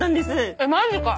えっマジか！